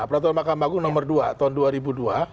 peraturan makam bagung nomor dua tahun dua ribu dua